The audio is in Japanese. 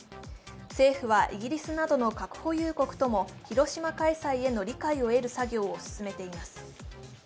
政府はイギリスなどの核保有国とも広島開催への理解を得る作業を進めています。